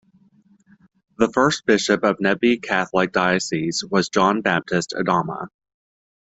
The first bishop of Nebbi Catholic diocese was John Baptist Odama.